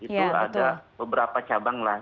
itu ada beberapa cabang lah